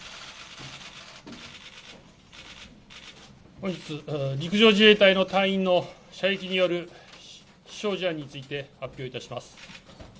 本日、陸上自衛隊の隊員の射撃による死傷事案について発表いたします。